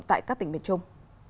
tại các tỉnh miền trung